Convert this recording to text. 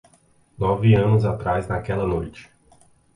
Nove anos atrás naquela noite.